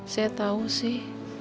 saya tahu sih